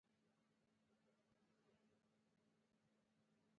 لطفاً تاسو بايد ما د تل لپاره هېره کړئ.